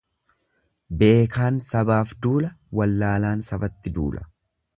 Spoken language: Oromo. Beekaan sabaaf duula, walaalaan sabatti duula.